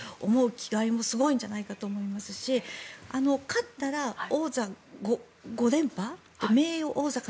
気概もすごいんじゃないかと思いますし勝ったら王座５連覇で名誉王座に。